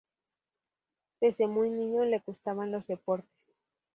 Desde muy niño le gustaban los deportes.